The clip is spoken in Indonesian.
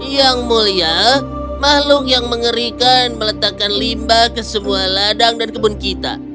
yang mulia makhluk yang mengerikan meletakkan limba ke semua ladang dan kebun kita